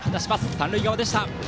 三塁側でした。